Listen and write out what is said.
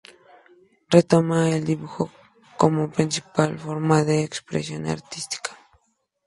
Retoma el dibujo como principal forma de expresión artística.